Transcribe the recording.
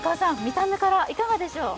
見た目からいかがでしょう？